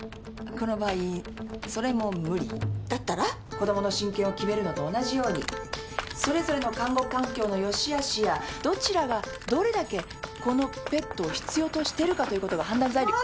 子供の親権を決めるのと同じようにそれぞれの監護環境のよしあしやどちらがどれだけこのペットを必要としているかということが判断材料に。